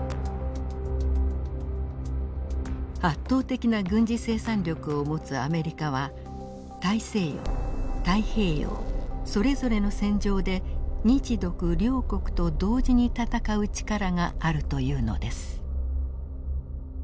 圧倒的な軍事生産力を持つアメリカは大西洋太平洋それぞれの戦場で日独両国と同時に戦う力があるというのです。